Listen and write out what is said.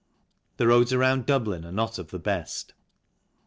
The roads around Dublin are not of the best.